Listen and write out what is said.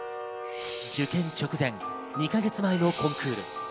受験直前、２か月前のコンクール。